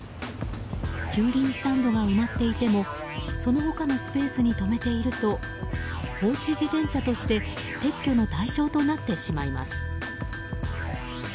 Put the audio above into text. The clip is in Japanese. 駐輪スタンドが埋まっていてもその他のスペースに止めていると、放置自転車として撤去の対象となってしまいます。